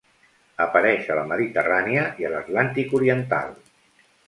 Apareix a la Mediterrània i a l'Atlàntic oriental.